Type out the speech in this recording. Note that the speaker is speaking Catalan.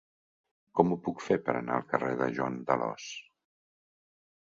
Com ho puc fer per anar al carrer de Joan d'Alòs?